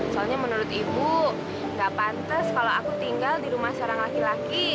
soalnya menurut ibu nggak pantas kalau aku tinggal di rumah seorang laki laki